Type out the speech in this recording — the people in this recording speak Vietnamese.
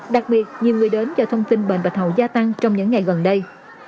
đặc biệt nhiều người đến cho thông tin bệnh bạch hầu gia tăng trong những ngày gần đây